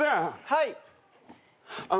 はい？